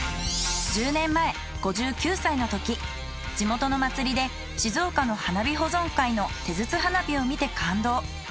１０年前５９歳のとき地元の祭で静岡の花火保存会の手筒花火を見て感動。